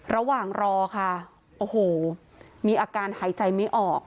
ระหว่างรอค่ะโอ้โหมีอาการหายใจไม่ออก